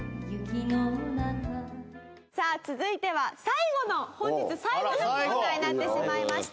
さあ続いては最後の本日最後のコーナーになってしまいました。